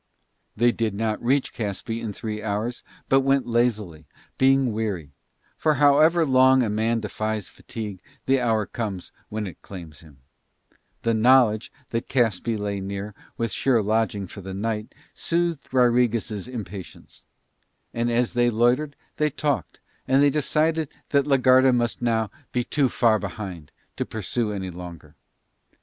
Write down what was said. They did not reach Caspe in three hours, but went lazily, being weary; for however long a man defies fatigue the hour comes when it claims him. The knowledge that Caspe lay near with sure lodging for the night, soothed Rodriguez' impatience. And as they loitered they talked, and they decided that la Garda must now be too far behind to pursue any longer.